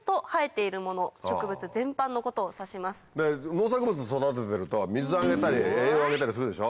農作物育ててると水あげたり栄養あげたりするでしょ。